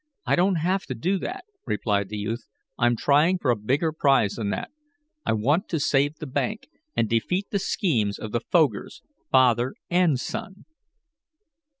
"I don't have to do that," replied the youth. "I'm trying for a bigger prize than that. I want to save the bank, and defeat the schemes of the Fogers father and son."